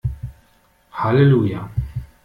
Halleluja!